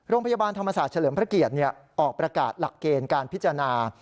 โรงพยาบาลธรรมศาสตร์เฉลิมพระเกียรติออกประกาศหลักเกณฑ์การพิจารณา